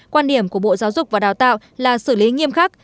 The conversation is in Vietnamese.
quan điểm của bộ giáo dục và đào tạo là xử lý nghiêm khắc